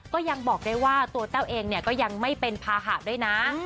ก็ยังบอกได้ว่าตัวแต้วเองก็ยังไม่เป็นภาหะด้วยนะ